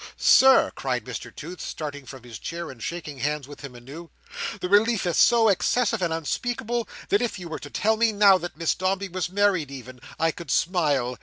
"Sir!" cried Mr Toots, starting from his chair and shaking hands with him anew, "the relief is so excessive, and unspeakable, that if you were to tell me now that Miss Dombey was married even, I could smile.